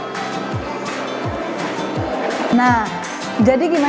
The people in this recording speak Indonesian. sesuai dengan strategi yang digunakan